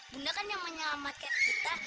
bunda kan yang menyelamatkan kita